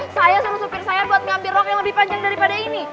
saya sama supir saya buat ngambil rok yang lebih panjang daripada ini